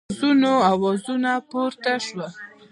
اعتراضونو آوازونه پورته شول.